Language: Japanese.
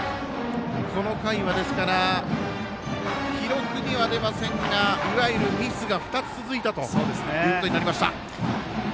この回は、記録には出ませんがいわゆるミスが２つ続いたということになりました。